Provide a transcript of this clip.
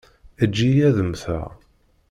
Eǧǧ-iyi ad mmteɣ.